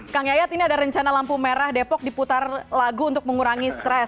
kang yayat ini ada rencana lampu merah depok diputar lagu untuk mengurangi stres